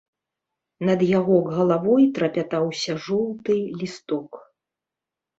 Над яго галавой трапятаўся жоўты лісток.